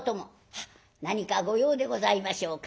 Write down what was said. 「はっ何か御用でございましょうか？」。